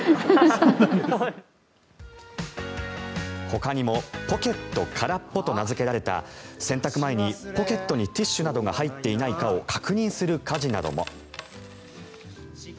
ほかにもポケットからっぽと名付けられた洗濯前にポケットにティッシュなどが入っていないかを確認する家事なども。